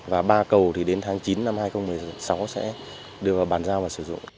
và ba cầu thì đến tháng chín năm hai nghìn một mươi sáu sẽ đưa vào bàn giao và sử dụng